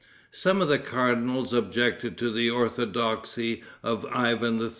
Some of the cardinals objected to the orthodoxy of Ivan III.